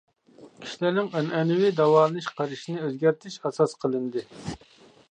كىشىلەرنىڭ ئەنئەنىۋى داۋالىنىش قارىشىنى ئۆزگەرتىش ئاساس قىلىندى.